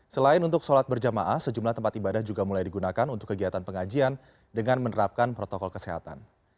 selain untuk sholat berjamaah sejumlah tempat ibadah juga mulai digunakan untuk kegiatan pengajian dengan menerapkan protokol kesehatan